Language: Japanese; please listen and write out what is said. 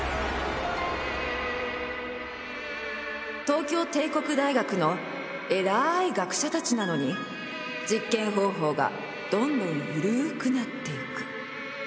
東京帝国大学のえらい学者たちなのに実験方法がどんどんゆるくなっていく。